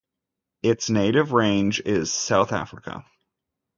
Its native range is South Africa.